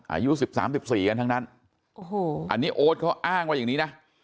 อายุสิบสามสิบสี่กันทั้งนั้นโอ้โหอันนี้โอ๊ตเขาอ้างว่าอย่างนี้นะ